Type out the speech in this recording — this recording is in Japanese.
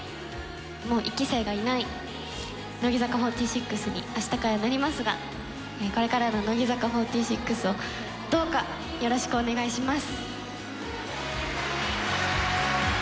もう１期生がいない乃木坂４６に、あしたからなりますが、これからの乃木坂４６をどうかよろしくお願いします。